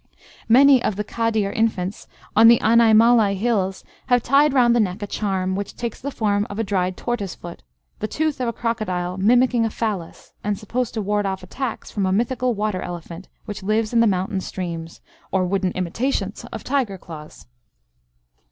Many of the Kadir infants on the Anaimalai hills have tied round the neck a charm, which takes the form of a dried tortoise foot; the tooth of a crocodile mimicking a phallus, and supposed to ward off attacks from a mythical water elephant which lives in the mountain streams, or wooden imitations of tiger's claws.